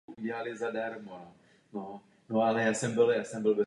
Často se tak tyto příběhy ztrácí.